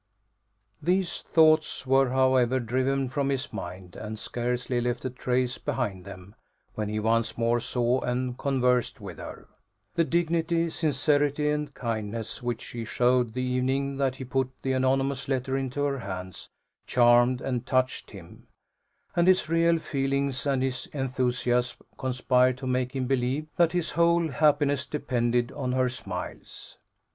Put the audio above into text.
These thoughts were, however, driven from his mind, and scarcely left a trace behind them, when he once more saw and conversed with her. The dignity, sincerity, and kindness which she showed the evening that he put the anonymous letter into her hands charmed and touched him, and his real feelings and his enthusiasm conspired to make him believe that his whole happiness depended on her smiles.